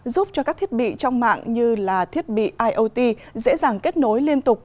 giúp cho các thiết bị trong mạng như là thiết bị iot dễ dàng kết nối liên tục